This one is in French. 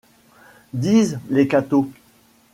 Disent les cathos